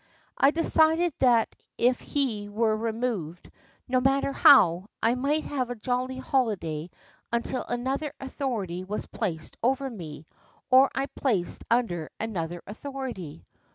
I decided that if he were removed, no matter how, I might have a jolly holiday until another authority was placed over me, or I placed under another authority.